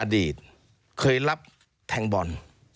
อดีตเคยรับแทงบอล